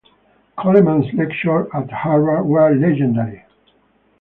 Coleman's lectures at Harvard were legendary.